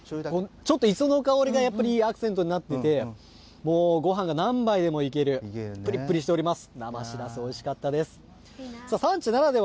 ちょっと磯の香りがやっぱりいいアクセントになっていてご飯が何杯でもいけるぷりぷりしております。